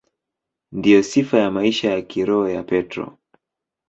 Ndiyo sifa ya maisha ya kiroho ya Petro.